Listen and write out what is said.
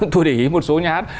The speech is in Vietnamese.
tôi để ý một số nhát